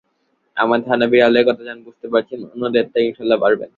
আমার ধারণা, বিড়ালের কথা যখন বুঝতে পারছেন অন্যদেরটাও ইনশাআল্লাহ পারবেন।